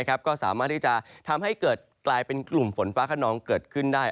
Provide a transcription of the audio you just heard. ก็สามารถที่จะทำให้เกิดกลายเป็นกลุ่มฝนฟ้าขนองเกิดขึ้นได้